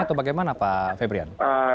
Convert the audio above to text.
atau bagaimana pak fabrian